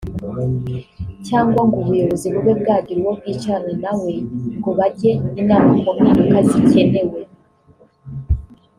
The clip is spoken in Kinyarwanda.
cyangwa ngo ubuyobozi bube bwagira uwo bwicarana nawe ngo bajye inama ku mpinduka zikenewe